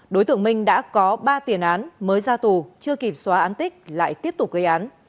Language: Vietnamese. đối tượng minh đã có ba tiền án mới ra tù chưa kịp xóa án tích lại tiếp tục gây án